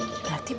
kok ada kunci